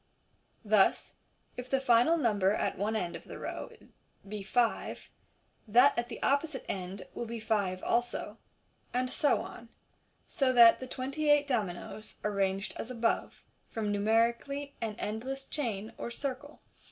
Thus if the final number at one end of the row be five, that at the opposite end will be five also, and so on j so that the twenty eight dominoes, arranged as above, form numerically an endless chain, or circle.